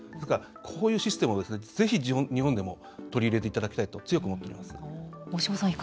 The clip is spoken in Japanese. こういうシステムをぜひ日本でも取り入れていただきたいと強く思っています。